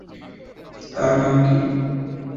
তার নাম কি?